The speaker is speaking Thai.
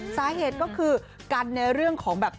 สาเหตุก็คือกันในเรื่องของแบบ